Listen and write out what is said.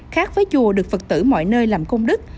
khác với chùa được phật tử mọi nơi làm công đức